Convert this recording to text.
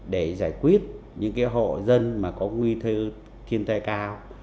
để giải quyết những cái hộ dân mà có nguy thư tiền tài cao